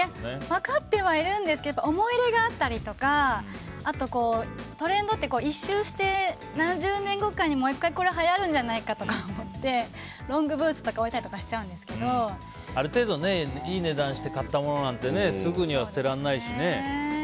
分かってはいるんですけど思い入れがあったりとかトレンドって１周して、何十年後かにもう１回はやるんじゃないかって思ってロングブーツとかある程度いい値段して買ったものなんてすぐには捨てられないしね。